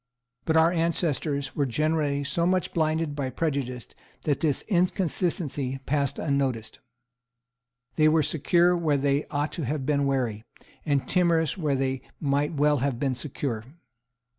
But our ancestors were generally so much blinded by prejudice that this inconsistency passed unnoticed. They were secure where they ought to have been wary, and timorous where they might well have been secure.